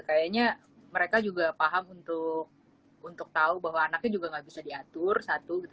kayaknya mereka juga paham untuk tahu bahwa anaknya juga nggak bisa diatur satu gitu